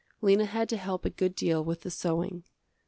Lena had to help a good deal with the sewing.